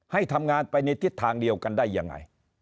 ให้ทำงานไปในทิศทางเดียวกันได้ยังไง